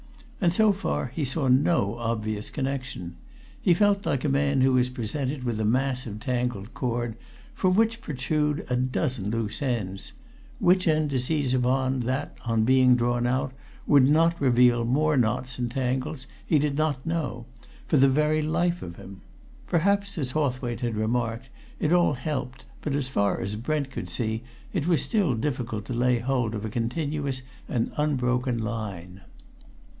And so far he saw no obvious connection. He felt like a man who is presented with a mass of tangled cord, from which protrude a dozen loose ends which end to seize upon that, on being drawn out, would not reveal more knots and tangles he did not know, for the very life of him. Perhaps, as Hawthwaite had remarked, it all helped, but as far as Brent could see it was still difficult to lay hold of a continuous and unbroken line.